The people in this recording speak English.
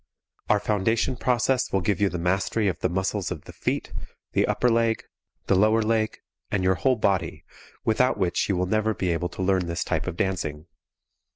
Our foundation process will give you the mastery of the muscles of the feet, the upper leg, the lower leg and your whole body, without which you will never be able to learn this type of dancing.